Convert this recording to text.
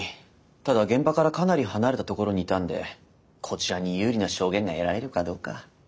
ただ現場からかなり離れた所にいたんでこちらに有利な証言が得られるかどうか。